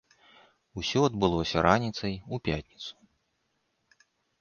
Усё адбылося раніцай у пятніцу.